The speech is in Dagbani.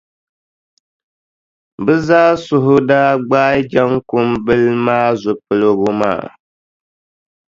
Bɛ zaa suhu daa gbaai Jaŋkumbila maa zupiligu maa.